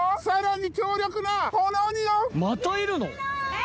またいるの？